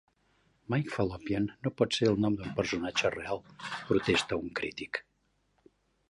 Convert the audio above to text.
"Mike Fallopian no pot ser el nom d'un personatge real", protesta un crític.